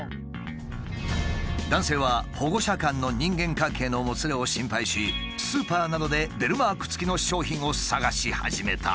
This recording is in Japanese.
男性は保護者間の人間関係のもつれを心配しスーパーなどでベルマークつきの商品を探し始めた。